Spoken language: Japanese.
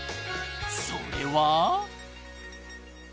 ［それは］